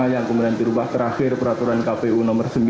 yang kemudian dirubah terakhir peraturan kpu nomor sembilan